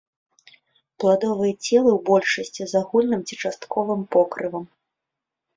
Пладовыя целы ў большасці з агульным ці частковым покрывам.